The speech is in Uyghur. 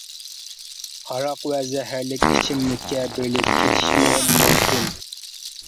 ھاراق ۋە زەھەرلىك چېكىملىككە بېرىلىپ كېتىشىمۇ مۇمكىن.